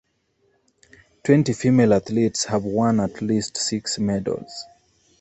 Twenty female athletes have won at least six medals.